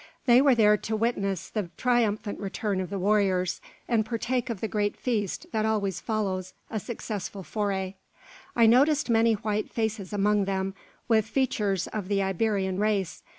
They were there to witness the triumphant return of the warriors, and partake of the great feast that always follows a successful foray. I noticed many white faces among them, with features of the Iberian race.